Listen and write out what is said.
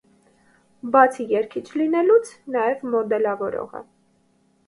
Բացի երգիչ լինելուց նաև մոդելավորող է։